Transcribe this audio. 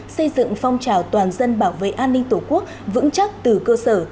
xây dựng phong trào toàn dân bảo vệ an ninh tổ quốc vững chắc từ cơ sở